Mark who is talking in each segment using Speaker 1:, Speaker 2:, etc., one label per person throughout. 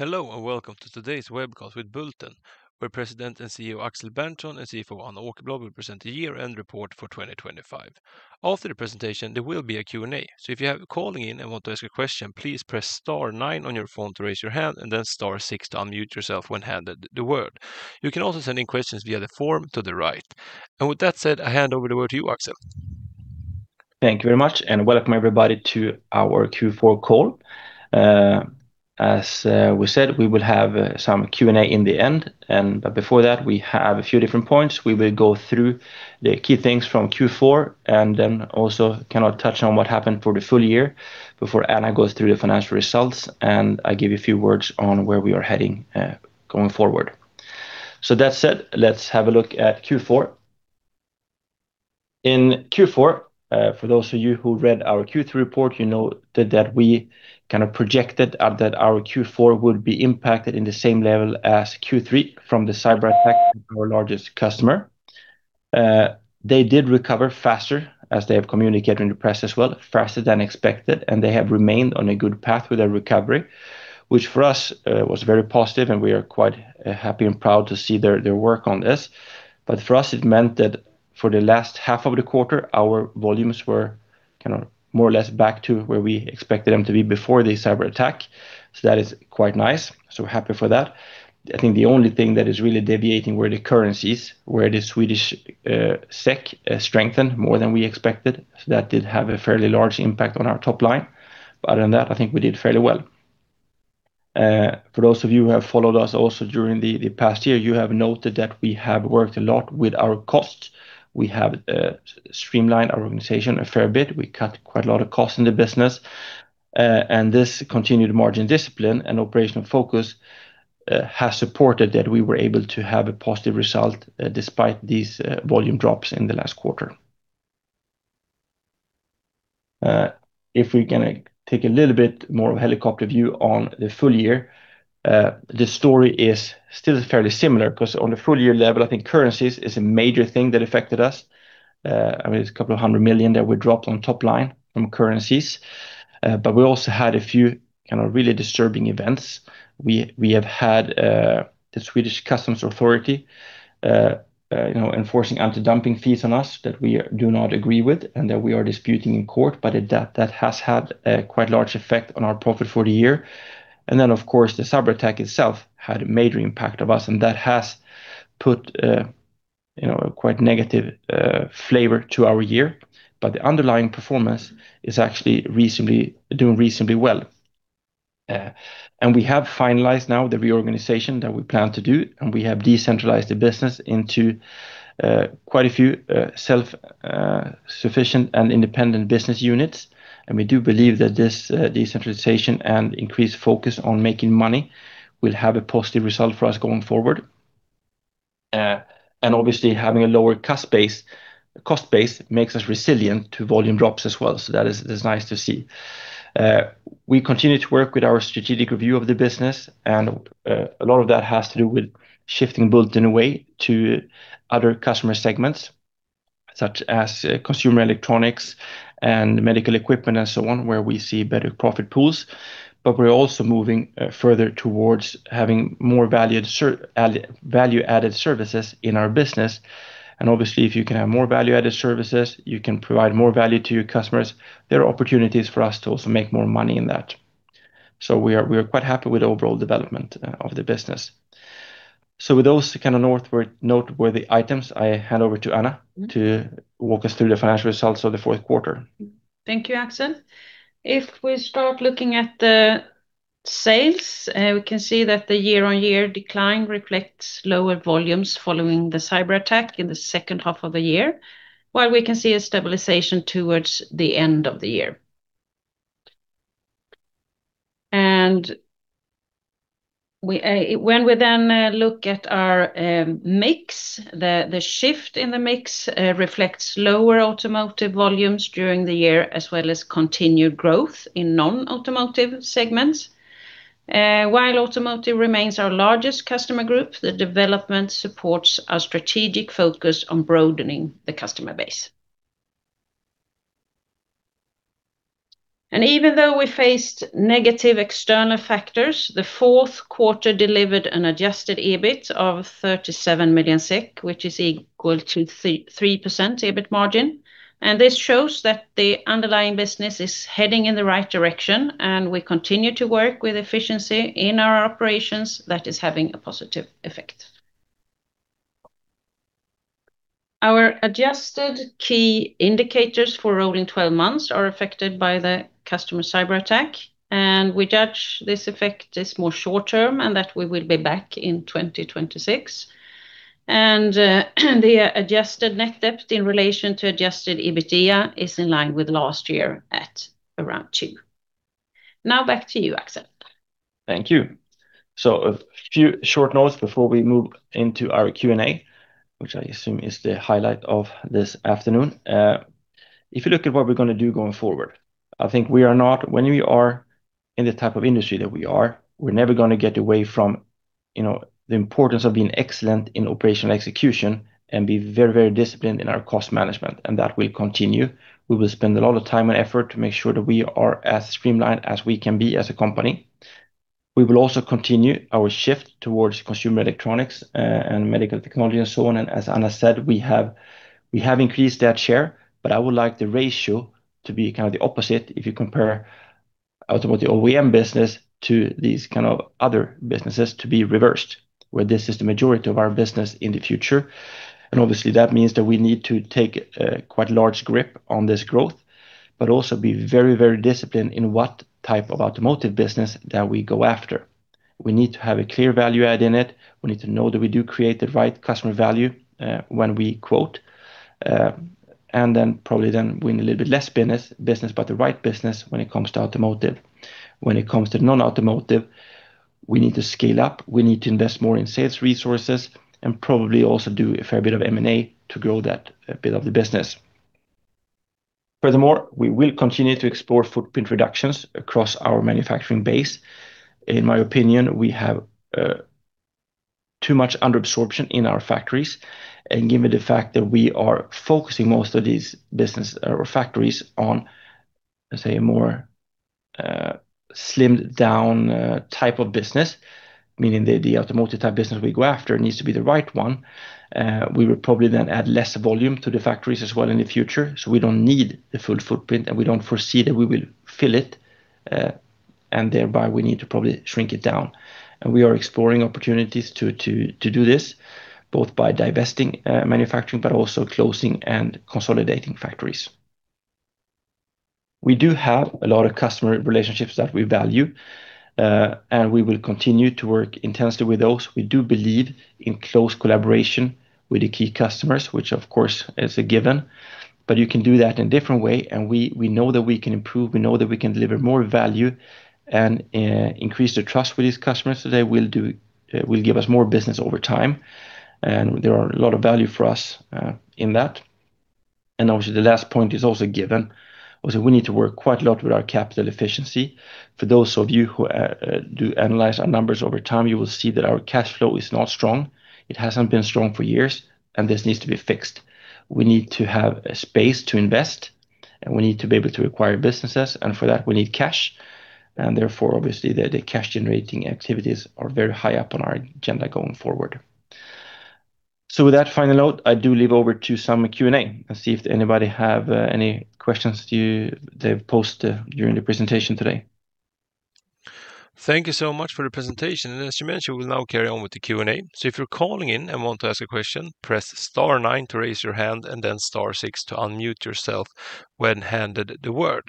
Speaker 1: Hello, and welcome to today's webcast with Bulten, where President and CEO, Axel Berntsson, and CFO Anna Åkerblad will present the year-end report for 2025. After the presentation, there will be a Q&A. So if you have calling in and want to ask a question, please press star nine on your phone to raise your hand, and then star six to unmute yourself when handed the word. You can also send in questions via the form to the right. And with that said, I hand over the word to you, Axel.
Speaker 2: Thank you very much, and welcome, everybody, to our Q4 call. As we said, we will have some Q&A in the end, and but before that, we have a few different points. We will go through the key things from Q4, and then also kind of touch on what happened for the full year before Anna goes through the financial results, and I give you a few words on where we are heading, going forward. So that said, let's have a look at Q4. In Q4, for those of you who read our Q3 report, you know that we kind of projected that our Q4 would be impacted in the same level as Q3 from the cyberattack, our largest customer. They did recover faster, as they have communicated in the press as well, faster than expected, and they have remained on a good path with their recovery, which, for us, was very positive, and we are quite happy and proud to see their, their work on this. But for us, it meant that for the last half of the quarter, our volumes were kind of more or less back to where we expected them to be before the cyberattack. So that is quite nice. So happy for that. I think the only thing that is really deviating were the currencies, where the Swedish SEK strengthened more than we expected. So that did have a fairly large impact on our top line. But other than that, I think we did fairly well. For those of you who have followed us also during the past year, you have noted that we have worked a lot with our costs. We have streamlined our organization a fair bit. We cut quite a lot of costs in the business, and this continued margin discipline and operational focus has supported that we were able to have a positive result, despite these volume drops in the last quarter. If we can take a little bit more of a helicopter view on the full year, the story is still fairly similar, 'cause on a full-year level, I think currencies is a major thing that affected us. I mean, it's a couple of hundred million SEK that we dropped on top line from currencies, but we also had a few kind of really disturbing events. We have had the Swedish Customs Authority, you know, enforcing anti-dumping fees on us that we do not agree with, and that we are disputing in court. But that has had a quite large effect on our profit for the year. And then, of course, the cyberattack itself had a major impact of us, and that has put, you know, a quite negative flavor to our year. But the underlying performance is actually reasonably doing reasonably well. And we have finalized now the reorganization that we plan to do, and we have decentralized the business into quite a few self-sufficient and independent business units. And we do believe that this decentralization and increased focus on making money will have a positive result for us going forward. Obviously, having a lower cost base makes us resilient to volume drops as well. So that's nice to see. We continue to work with our strategic review of the business, and a lot of that has to do with shifting Bulten away to other customer segments, such as consumer electronics and medical equipment and so on, where we see better profit pools. But we're also moving further towards having more value-added services in our business. And obviously, if you can have more value-added services, you can provide more value to your customers. There are opportunities for us to also make more money in that. So we are quite happy with the overall development of the business. So with those kind of noteworthy items, I hand over to Anna to walk us through the financial results of the fourth quarter.
Speaker 3: Thank you, Axel. If we start looking at the sales, we can see that the year-on-year decline reflects lower volumes following the cyberattack in the second half of the year, while we can see a stabilization towards the end of the year. When we then look at our mix, the shift in the mix reflects lower automotive volumes during the year, as well as continued growth in non-automotive segments. While automotive remains our largest customer group, the development supports our strategic focus on broadening the customer base. And even though we faced negative external factors, the fourth quarter delivered an adjusted EBIT of 37 million SEK, which is equal to 3% EBIT margin. This shows that the underlying business is heading in the right direction, and we continue to work with efficiency in our operations that is having a positive effect. Our adjusted key indicators for rolling 12 months are affected by the customer cyberattack, and we judge this effect is more short term, and that we will be back in 2026. The adjusted net debt in relation to adjusted EBITDA is in line with last year at around two. Now back to you, Axel.
Speaker 2: Thank you. So a few short notes before we move into our Q&A, which I assume is the highlight of this afternoon. If you look at what we're gonna do going forward, I think when we are in the type of industry that we are, we're never gonna get away from you know, the importance of being excellent in operational execution and be very, very disciplined in our cost management, and that will continue. We will spend a lot of time and effort to make sure that we are as streamlined as we can be as a company. We will also continue our shift towards consumer electronics and medical technology and so on. As Anna said, we have increased that share, but I would like the ratio to be kind of the opposite if you compare automotive OEM business to these kind of other businesses to be reversed, where this is the majority of our business in the future. And obviously, that means that we need to take a quite large grip on this growth, but also be very, very disciplined in what type of automotive business that we go after. We need to have a clear value add in it. We need to know that we do create the right customer value when we quote and then probably win a little bit less business, but the right business when it comes to automotive. When it comes to non-automotive, we need to scale up, we need to invest more in sales resources, and probably also do a fair bit of M&A to grow that bit of the business. Furthermore, we will continue to explore footprint reductions across our manufacturing base. In my opinion, we have too much under absorption in our factories, and given the fact that we are focusing most of these business or factories on, let's say, a more slimmed down type of business, meaning the, the automotive type business we go after needs to be the right one, we will probably then add less volume to the factories as well in the future. So we don't need the full footprint, and we don't foresee that we will fill it, and thereby, we need to probably shrink it down. We are exploring opportunities to do this, both by divesting manufacturing, but also closing and consolidating factories. We do have a lot of customer relationships that we value, and we will continue to work intensely with those. We do believe in close collaboration with the key customers, which, of course, is a given, but you can do that in different way, and we know that we can improve, we know that we can deliver more value and increase the trust with these customers. So they will give us more business over time, and there are a lot of value for us in that. And obviously, the last point is also given, was that we need to work quite a lot with our capital efficiency. For those of you who do analyze our numbers over time, you will see that our cash flow is not strong. It hasn't been strong for years, and this needs to be fixed. We need to have a space to invest, and we need to be able to acquire businesses, and for that, we need cash. Therefore, obviously, the cash-generating activities are very high up on our agenda going forward. With that final note, I do leave over to some Q&A and see if anybody have any questions to you they've posted during the presentation today.
Speaker 1: Thank you so much for the presentation, and as you mentioned, we'll now carry on with the Q&A. So if you're calling in and want to ask a question, press star nine to raise your hand and then star six to unmute yourself when handed the word.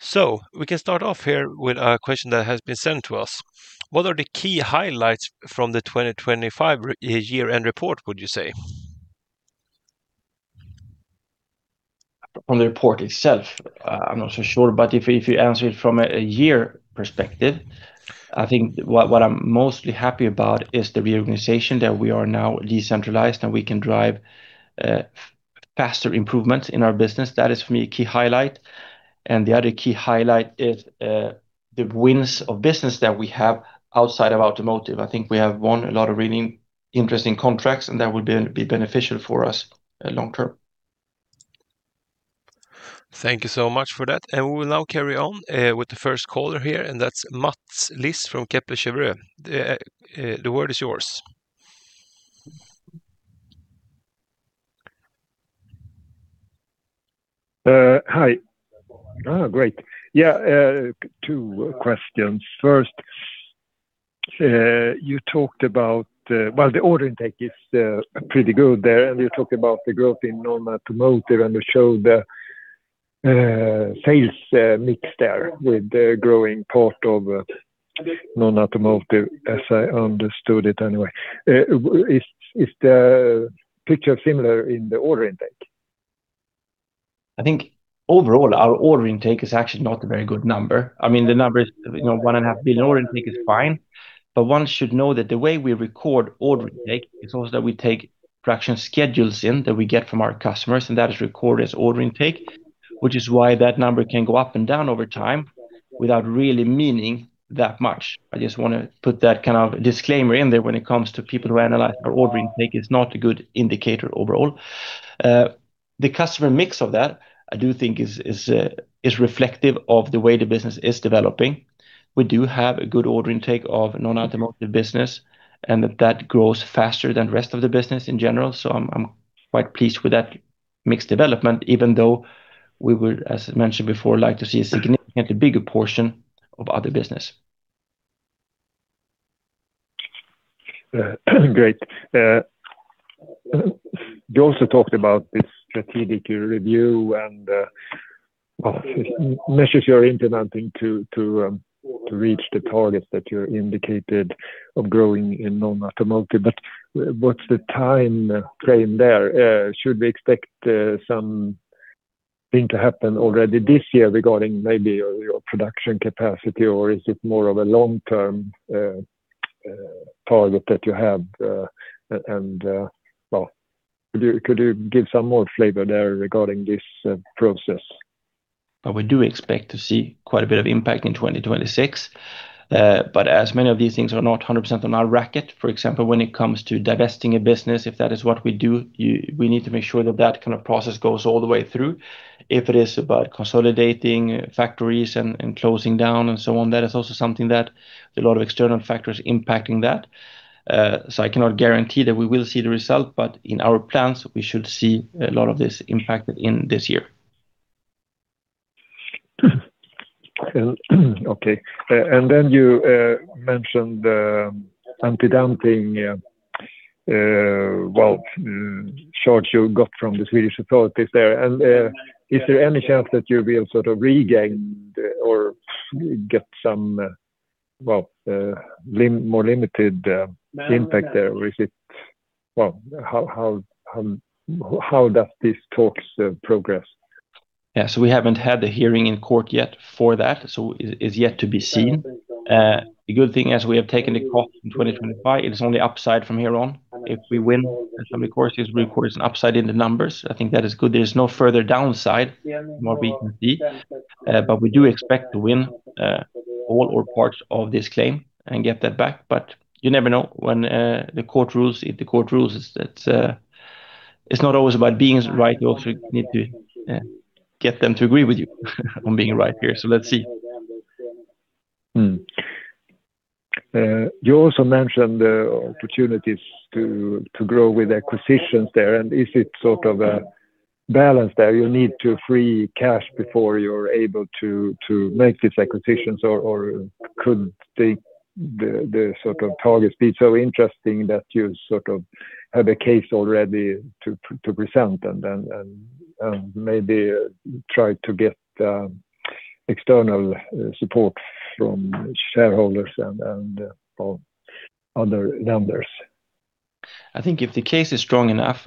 Speaker 1: So we can start off here with a question that has been sent to us. What are the key highlights from the 2025 year-end report, would you say?
Speaker 2: On the report itself? I'm not so sure, but if you answer it from a year perspective, I think what I'm mostly happy about is the reorganization, that we are now decentralized, and we can drive faster improvements in our business. That is, for me, a key highlight. And the other key highlight is the wins of business that we have outside of automotive. I think we have won a lot of really interesting contracts, and that will be beneficial for us long term.
Speaker 1: Thank you so much for that, and we will now carry on with the first caller here, and that's Mats Liss from Kepler Cheuvreux. The word is yours.
Speaker 4: Hi. Oh, great. Yeah, two questions. First, you talked about, well, the order intake is pretty good there, and you talked about the growth in non-automotive, and you showed the sales mix there with the growing part of non-automotive, as I understood it anyway. Is the picture similar in the order intake?
Speaker 2: I think overall, our order intake is actually not a very good number. I mean, the number is, you know, 1.5 billion. Order intake is fine, but one should know that the way we record order intake is also that we take production schedules in that we get from our customers, and that is recorded as order intake, which is why that number can go up and down over time without really meaning that much. I just wanna put that kind of disclaimer in there when it comes to people who analyze our ordering intake is not a good indicator overall. The customer mix of that, I do think is reflective of the way the business is developing. We do have a good order intake of non-automotive business, and that grows faster than the rest of the business in general, so I'm quite pleased with that mixed development, even though we would, as mentioned before, like to see a significantly bigger portion of other business.
Speaker 4: Great. You also talked about this strategic review and measures you're implementing to reach the targets that you indicated of growing in non-automotive, but what's the timeframe there? Should we expect something to happen already this year regarding maybe your production capacity, or is it more of a long-term target that you have, and well, could you give some more flavor there regarding this process?
Speaker 2: But we do expect to see quite a bit of impact in 2026. But as many of these things are not 100% on our radar, for example, when it comes to divesting a business, if that is what we do, we need to make sure that that kind of process goes all the way through. If it is about consolidating factories and closing down and so on, that is also something that a lot of external factors impacting that. So I cannot guarantee that we will see the result, but in our plans, we should see a lot of this impact in this year.
Speaker 4: Okay. And then you mentioned the anti-dumping well charge you got from the Swedish authorities there. And is there any chance that you'll be able to sort of regained or get some well more limited impact there? Or is it... Well, how does these talks progress?
Speaker 2: Yeah, so we haven't had the hearing in court yet for that, so it is yet to be seen. The good thing is we have taken the cost in 2025. It is only upside from here on. If we win, then of course, this report is an upside in the numbers. I think that is good. There's no further downside, more B and D. But we do expect to win, all or parts of this claim and get that back. But you never know when the court rules. If the court rules, it's that it's not always about being right, you also need to get them to agree with you on being right here. So let's see.
Speaker 4: You also mentioned the opportunities to grow with acquisitions there, and is it sort of a balance there? You need to free cash before you're able to make these acquisitions, or could the sort of targets be so interesting that you sort of have a case already to present and then maybe try to get external support from shareholders and or other lenders?
Speaker 2: I think if the case is strong enough,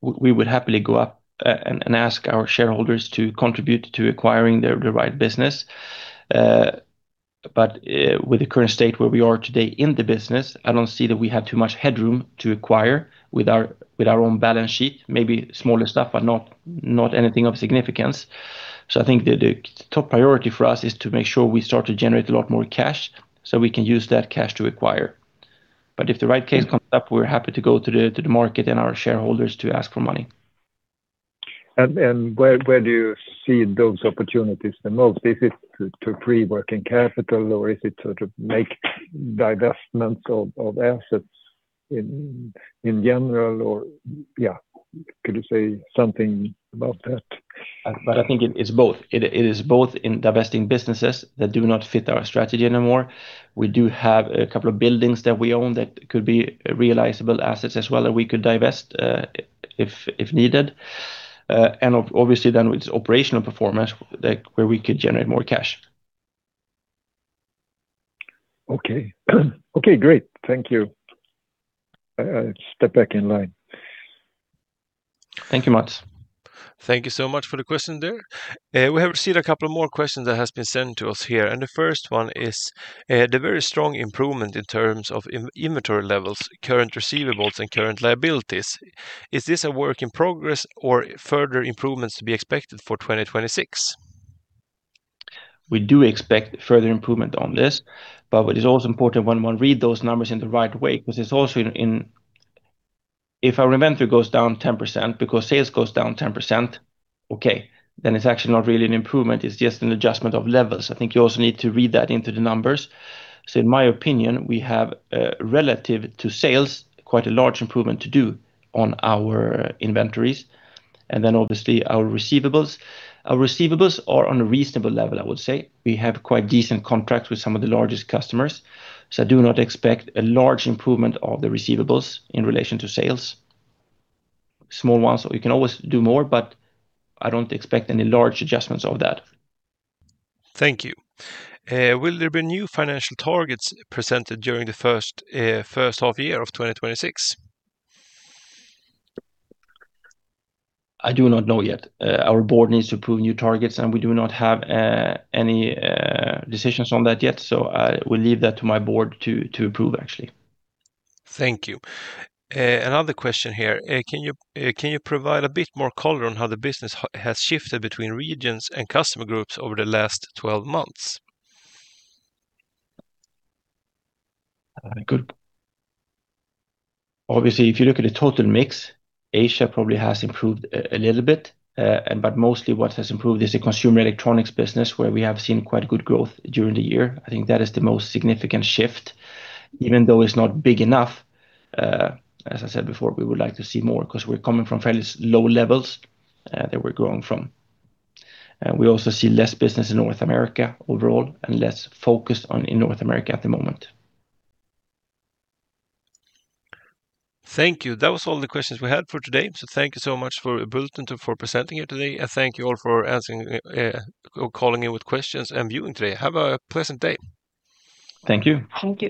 Speaker 2: we would happily go up, and, and ask our shareholders to contribute to acquiring the, the right business. But, with the current state where we are today in the business, I don't see that we have too much headroom to acquire with our, with our own balance sheet. Maybe smaller stuff, but not, not anything of significance. So I think the, the top priority for us is to make sure we start to generate a lot more cash, so we can use that cash to acquire. But if the right case comes up, we're happy to go to the, to the market and our shareholders to ask for money.
Speaker 4: Where do you see those opportunities the most? Is it to free working capital, or is it to make divestments of assets in general, or... Yeah, could you say something about that?
Speaker 2: But I think it's both. It is both in divesting businesses that do not fit our strategy anymore. We do have a couple of buildings that we own that could be realizable assets as well, that we could divest, if needed. And obviously, then with operational performance, like, where we could generate more cash.
Speaker 4: Okay. Okay, great. Thank you. I step back in line.
Speaker 2: Thank you, Mats.
Speaker 1: Thank you so much for the question there. We have received a couple of more questions that has been sent to us here, and the first one is the very strong improvement in terms of in-inventory levels, current receivables, and current liabilities. Is this a work in progress or further improvements to be expected for 2026?
Speaker 2: We do expect further improvement on this, but what is also important when one read those numbers in the right way, because it's also. If our inventory goes down 10% because sales goes down 10%, okay, then it's actually not really an improvement, it's just an adjustment of levels. I think you also need to read that into the numbers. So in my opinion, we have, relative to sales, quite a large improvement to do on our inventories, and then, obviously, our receivables. Our receivables are on a reasonable level, I would say. We have quite decent contracts with some of the largest customers, so I do not expect a large improvement of the receivables in relation to sales. Small ones, so we can always do more, but I don't expect any large adjustments of that.
Speaker 1: Thank you. Will there be new financial targets presented during the first half year of 2026?
Speaker 2: I do not know yet. Our board needs to approve new targets, and we do not have any decisions on that yet. So I will leave that to my board to approve, actually.
Speaker 1: Thank you. Another question here: can you provide a bit more color on how the business has shifted between regions and customer groups over the last 12 months?
Speaker 2: Good. Obviously, if you look at the total mix, Asia probably has improved a little bit, but mostly what has improved is the consumer electronics business, where we have seen quite good growth during the year. I think that is the most significant shift, even though it's not big enough. As I said before, we would like to see more because we're coming from fairly low levels that we're growing from. And we also see less business in North America overall and less focus on in North America at the moment.
Speaker 1: Thank you. That was all the questions we had for today. Thank you so much for Bulten, for presenting here today, and thank you all for answering or calling in with questions and viewing today. Have a pleasant day.
Speaker 2: Thank you.
Speaker 3: Thank you.